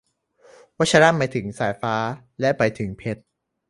วัชระ หมายถึงสายฟ้า และหมายถึงเพชร